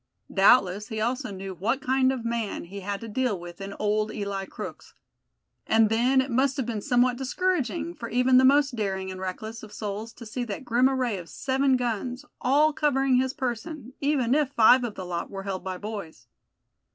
Doubtless he also knew what kind of man he had to deal with in old Eli Crookes. And then, it must have been somewhat discouraging for even the most daring and reckless of souls to see that grim array of seven guns, all covering his person, even if five of the lot were held by boys.